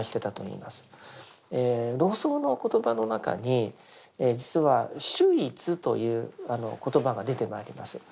老荘の言葉の中に実は「守一」という言葉が出てまいります。